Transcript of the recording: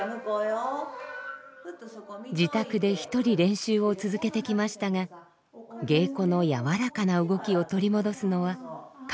自宅で一人練習を続けてきましたが芸妓の柔らかな動きを取り戻すのは簡単ではありません。